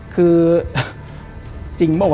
คือจริงเปล่า